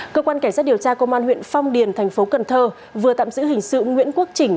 cơ quan cảnh sát điều tra công an huyện phong điền tp cần thơ vừa tạm giữ hình sự nguyễn quốc trình